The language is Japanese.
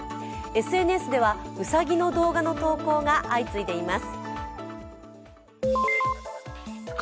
ＳＮＳでは、うさぎの動画の投稿が相次いでいます。